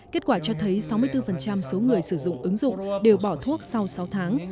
kết quả cho thấy sáu mươi bốn số người sử dụng ứng dụng đều bỏ thuốc sau sáu tháng